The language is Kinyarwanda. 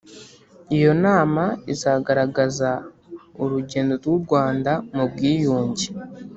Iyo nama izagaragaza urugendo rw’u Rwanda mu bwiyunge